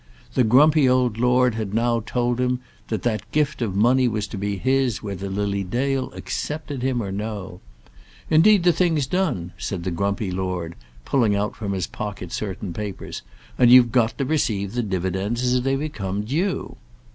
The grumpy old lord had now told him that that gift of money was to be his whether Lily Dale accepted him or no. "Indeed, the thing's done," said the grumpy lord, pulling out from his pocket certain papers, "and you've got to receive the dividends as they become due."